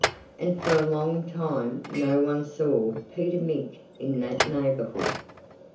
And for a long time no one saw Peter Mink in that neighborhood.